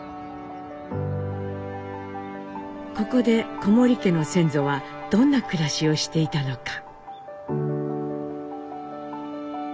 ここで小森家の先祖はどんな暮らしをしていたのか。